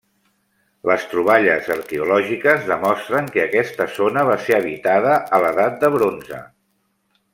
Les troballes arqueològiques demostren que aquesta zona va ser habitada a l'Edat de Bronze.